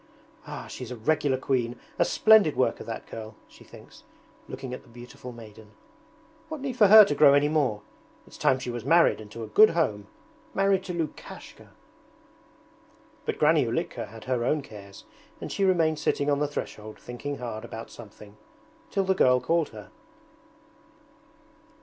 'Ah, she's a regular queen, a splendid worker, that girl!' she thinks, looking at the beautiful maiden. 'What need for her to grow any more? It's time she was married and to a good home; married to Lukashka!' But Granny Ulitka had her own cares and she remained sitting on the threshold thinking hard about something, till the girl called her.